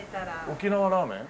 沖縄ラーメン？